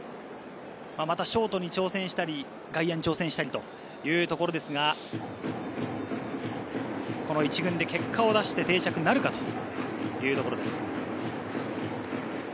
ショートに挑戦したり外野に挑戦したりというところですが、１軍で結果を出して定着なるかというところです。